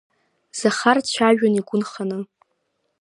Захар дцәажәон игәы нханы.